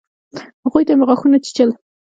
هغوى ته مې غاښونه چيچل.